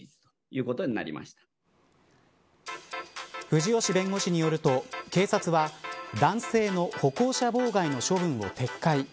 藤吉弁護士によると警察は男性の歩行者妨害の処分を撤回。